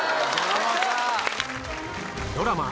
ドラマ